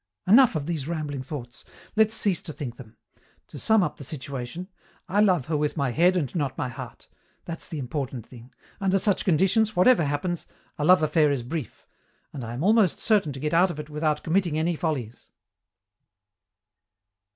Enough of these rambling thoughts. Let's cease to think them. To sum up the situation: I love her with my head and not my heart. That's the important thing. Under such conditions, whatever happens, a love affair is brief, and I am almost certain to get out of it without committing any follies."